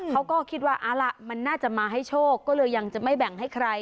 เขาก็คิดว่าเอาล่ะมันน่าจะมาให้โชคก็เลยยังจะไม่แบ่งให้ใคร